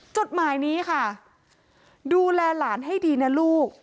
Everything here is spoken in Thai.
จดหมายนี้ค่ะดูแลหลานให้ดีนะลูก